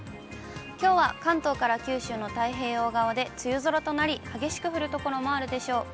きょうは関東から九州の太平洋側で梅雨空となり、激しく降る所もあるでしょう。